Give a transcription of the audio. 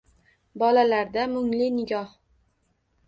Bolalarda mungli nigoh.